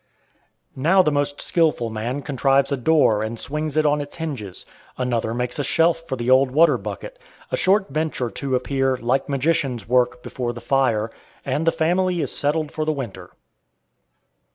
Now the most skillful man contrives a door and swings it on its hinges; another makes a shelf for the old water bucket; a short bench or two appear, like magicians' work, before the fire, and the family is settled for the winter.